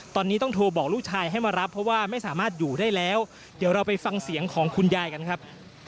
ตอนนี้ต้องโทรบอกลูกชายให้มารับเพราะว่าไม่สามารถอยู่ได้แล้วเดี๋ยวเราไปฟังเสียงของคุณยายกันครับ